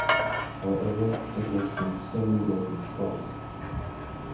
However, it has been simulated twice.